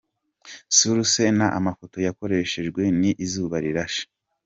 Source n’ Amafoto yakoreshejwe ni Izuba rirashe